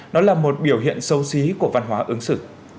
nó là một biểu hiện sâu xí của văn hóa ứng xử